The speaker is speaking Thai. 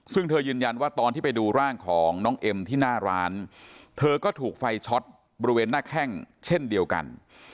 ซึ่งเธอยืนยันว่าตอนที่ไปดูร่างของน้องเอ็มที่หน้าร้านเธอก็ถูกไฟช็อตบริเวณหน้าแข้งเช่นเดียวกัน